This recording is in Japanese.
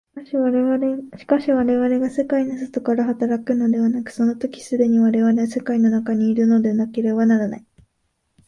しかし我々が世界の外から働くのではなく、その時既に我々は世界の中にいるのでなければならない。